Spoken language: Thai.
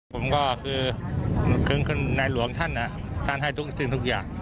ผมก็คือในหลวงท่านท่านให้ทุกสิ่งทุกอย่าง